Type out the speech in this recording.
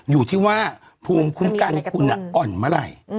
อยู่ที่ว่าภูมิคุณกันคุณอ่อนมาไร